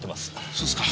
そうですか。